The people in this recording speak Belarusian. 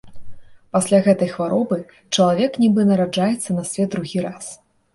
Пасля гэтай хваробы чалавек нібы нараджаецца на свет другі раз.